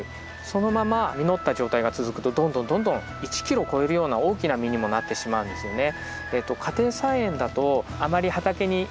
そのまま実った状態が続くとどんどんどんどん１キロを超えるような大きな実にもなってしまうんですよね。